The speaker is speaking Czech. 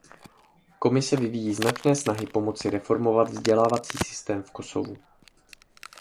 Komise vyvíjí značné snahy pomoci reformovat vzdělávací systém v Kosovu.